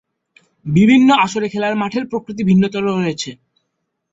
বিভিন্ন আসরে খেলার মাঠের প্রকৃতি ভিন্নতর হয়েছে।